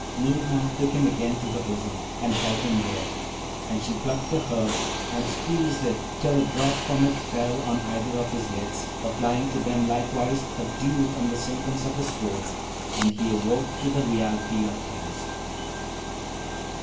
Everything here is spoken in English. Noorna, took him again to her bosom, and held him there; and she plucked a herb, and squeezed it till a drop from it fell on either of his lids, applying to them likewise a dew from the serpents of the Sword, and he awoke to the reality of things.